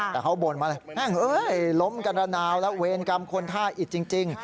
แต่เขาบ่นมาเลยแห้งเอ้ยล้มกันระนาวแล้วเวรกรรมคนท่าอิดจริง